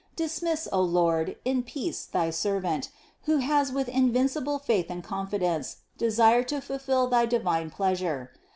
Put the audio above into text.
Dismiss, O Lord, in peace thy servant, who has with invincible faith and confidence desired to fulfill thy divine pleasure.